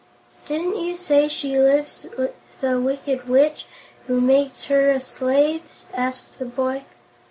"Didn't you say she lives with a Wicked Witch, who makes her a slave?" asked the boy.